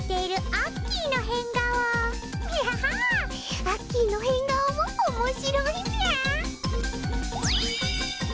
アッキーのへんがおもおもしろいみゃ！